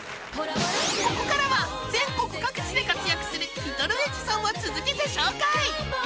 ここからは全国各地で活躍するリトルエジソンを続けて紹介